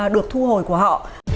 được thu hồi của họ